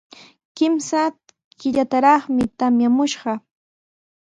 Kimsa killataraqmi tamyamushqa.